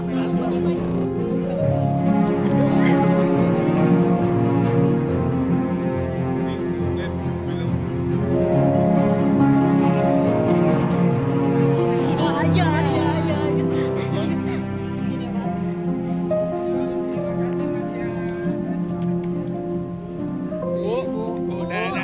sini dikit aja bu